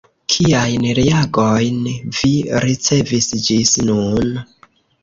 Kiajn reagojn vi ricevis ĝis nun?